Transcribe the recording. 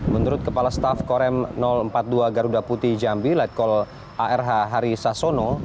menurut kepala staf korem empat puluh dua garuda putih jambi letkol arh hari sasono